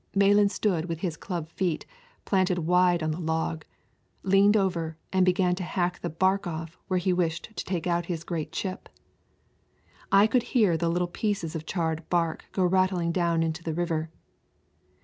Malan stood with his club feet planted wide on the log, leaned over, and began to hack the bark off where he wished to take out his great chip. I could hear the little pieces of charred bark go rattling down into the river.